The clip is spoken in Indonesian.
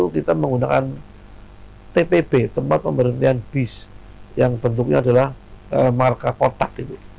kita menggunakan tpb tempat pemberhentian bis yang bentuknya adalah marka kotak